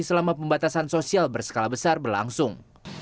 selama pembatasan sosial berskala besar berlangsung